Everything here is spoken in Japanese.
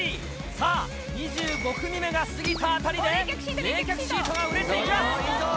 さあ、２５組目が過ぎたあたりで、冷却シートが売れています。